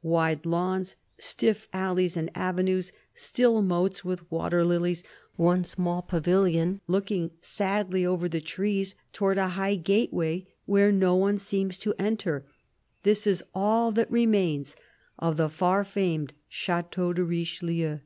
Wide lawns, stiff alleys and avenues, still moats with water lilies, one small pavilion looking sadly over the trees towards a high gateway where no one seems to enter ; this is all that remains of the far famed Chateau de Richelieu.